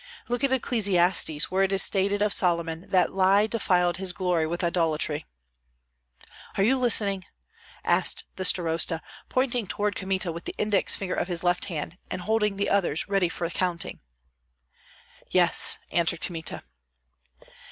Look at Ecclesiastes, where it is stated of Solomon that lie defiled his glory with idolatry " "Are you listening?" asked the starosta, pointing toward Kmita with the index finger of his left hand and holding the others, ready for counting. "Yes," answered Kmita.